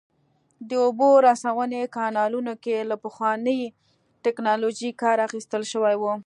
د اوبو رسونې کانالونو کې له پخوانۍ ټکنالوژۍ کار اخیستل شوی و